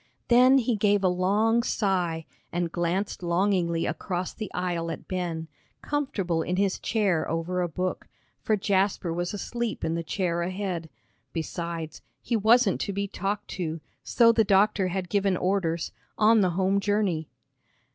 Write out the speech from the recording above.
Then he gave a long sigh and glanced longingly across the aisle at Ben, comfortable in his chair over a book, for Jasper was asleep in the chair ahead. Besides, he wasn't to be talked to, so the doctor had given orders, on the home journey.